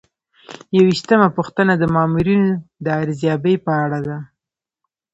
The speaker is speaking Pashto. یوویشتمه پوښتنه د مامورینو د ارزیابۍ په اړه ده.